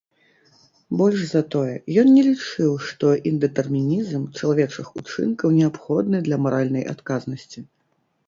Больш за тое, ён не лічыў, што індэтэрмінізм чалавечых учынкаў неабходны для маральнай адказнасці.